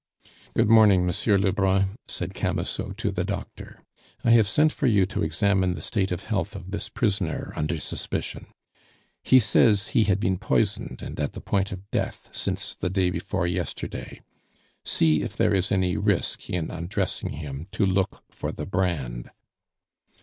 "Good morning, Monsieur Lebrun," said Camusot to the doctor. "I have sent for you to examine the state of health of this prisoner under suspicion. He says he had been poisoned and at the point of death since the day before yesterday; see if there is any risk in undressing him to look for the brand."